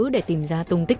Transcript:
để tìm ra tung tích